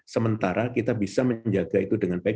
sementara kita bisa menjaga itu dengan baik